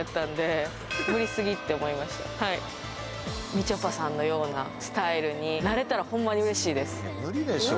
みちょぱさんのようなスタイルになれたらホンマに嬉しいです